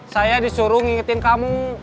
saya disuruh ngingetin kamu